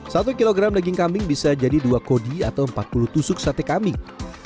satu kilogram daging kambing bisa jadi dua kodi atau empat puluh tusuk sate kambing